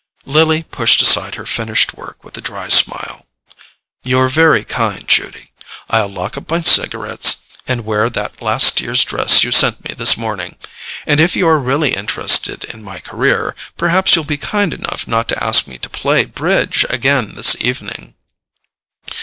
Lily pushed aside her finished work with a dry smile. "You're very kind, Judy: I'll lock up my cigarettes and wear that last year's dress you sent me this morning. And if you are really interested in my career, perhaps you'll be kind enough not to ask me to play bridge again this evening."